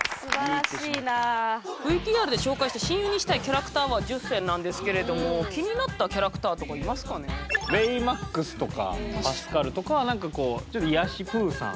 ＶＴＲで紹介した親友にしたいキャラクターは１０選なんですけれどもベイマックスとかパスカルとかは何かこうちょっと癒やしプーさん